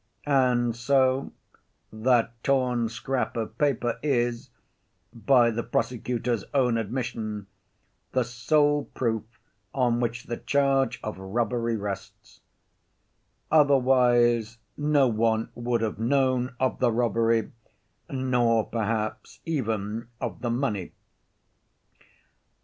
And so that torn scrap of paper is, by the prosecutor's own admission, the sole proof on which the charge of robbery rests, 'otherwise no one would have known of the robbery, nor perhaps even of the money.